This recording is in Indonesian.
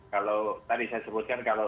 kalau tadi saya sebutkan kalau